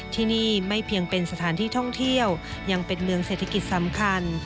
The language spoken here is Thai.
ที่นี่ไม่เพียงเป็นสถานที่ท่องเที่ยวยังเป็นเมืองเศรษฐกิจสำคัญ